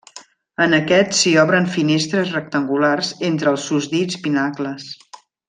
En aquest s'hi obren finestres rectangulars entre els susdits pinacles.